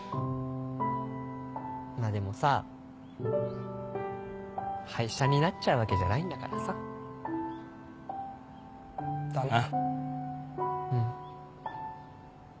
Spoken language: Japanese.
まぁでもさ廃車になっちゃうわけじゃないんだからさ。だな。うん。